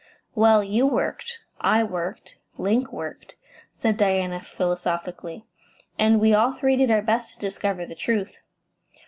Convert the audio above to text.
"Well, you worked; I worked; Link worked," said Diana, philosophically, "and we all three did our best to discover the truth."